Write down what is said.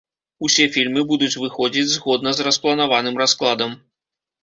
Усе фільмы будуць выходзіць згодна з распланаваным раскладам.